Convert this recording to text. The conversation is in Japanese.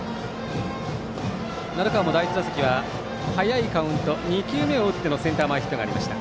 鳴川も第１打席は早いカウント２球目を打ってのセンター前ヒットがありました。